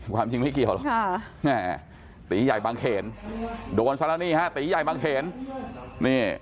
ความจริงไม่เกี่ยวหรอกตีงใหญ่บางเขนโดนสารณีตีงใหญ่บางเขนนี่